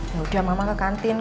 ya udah mama ke kantin